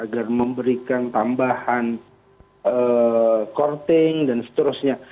dan memberikan tambahan korting dan seterusnya